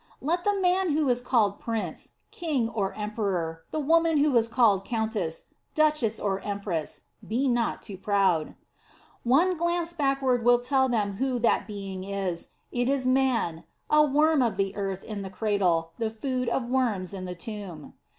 Let the man who is called prince, king, or emperor ; the woman who is called countess, duchess, or empress, be not too proud. One crlance backward will tell them who o that being is : it is man ; a worm of the earth in the cradle, the food of worms in the tomb.